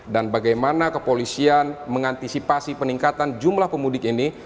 dan bagaimana kepolisian mengantisipasi peningkatan jumlah pemudik ini